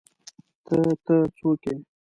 _ته، ته، څوک يې؟